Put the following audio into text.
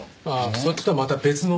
そっちとはまた別の現場です。